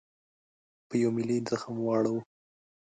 په یوه ملي زخم واړاوه.